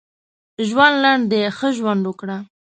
ژوند لنډ دی ښه ژوند وکړه.